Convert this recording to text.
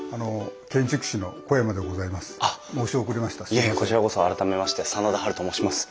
いえいえこちらこそ改めまして真田ハルと申します。